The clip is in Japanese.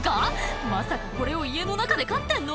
まさかこれを家の中で飼ってんの？